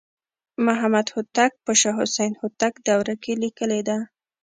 محمدهوتک په شاه حسین هوتک دوره کې لیکلې ده.